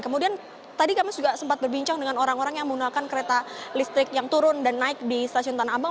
kemudian tadi kami juga sempat berbincang dengan orang orang yang menggunakan kereta listrik yang turun dan naik di stasiun tanah abang